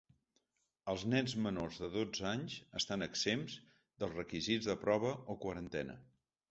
Els nens menors de dotze anys estan exempts dels requisits de prova o quarantena.